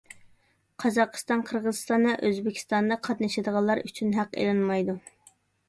قازاقىستان، قىرغىزىستان ۋە ئۆزبېكىستاندىن قاتنىشىدىغانلار ئۈچۈن ھەق ئېلىنمايدۇ.